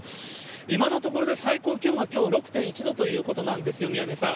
今のところ最高気温はきょう６．１度ということなんですよ、宮根さん。